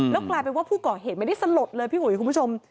แล้วกลายเป็นว่าผู้ก่อเหตุไม่ได้สลดเลยพี่อุ๋ยคุณผู้ชม